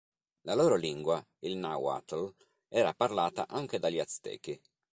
La loro lingua, il nahuatl, era parlata anche dagli Aztechi.